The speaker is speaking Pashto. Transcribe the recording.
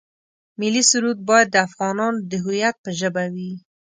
ملي سرود باید د افغانانو د هویت په ژبه وي.